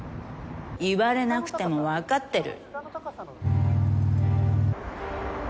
言われなくても分かってる。